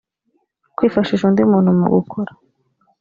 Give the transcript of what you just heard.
kwifashisha undi muntu mu gukora